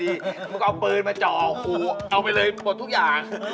มันก็เอาปืนมาเจาะหูเอาไปเลยหมดทุกอย่าง